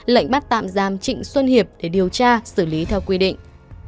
lệnh bắt tạm giam trịnh xuân hiệp để điều tra xử lý theo quy định